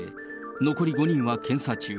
残り５人は検査中。